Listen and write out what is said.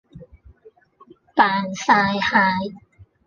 扮曬蟹